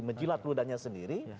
menjilat ludahnya sendiri